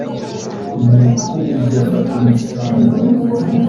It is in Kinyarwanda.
ntuku igafata umusango.